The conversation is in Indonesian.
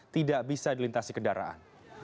tidak bisa dilintasi kendaraan